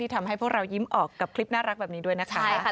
ทำให้พวกเรายิ้มออกกับคลิปน่ารักแบบนี้ด้วยนะคะ